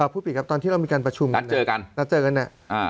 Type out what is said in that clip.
พูดปิดครับตอนที่เรามีการประชุมแล้วเจอกันเนี่ย